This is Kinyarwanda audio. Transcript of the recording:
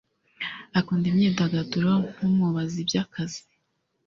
Akunda imyidagaduro ntumubaze iby'akazi